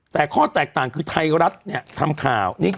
แต่ข้อแตกต่างคือไทยรัฐเนี่ยทำข่าว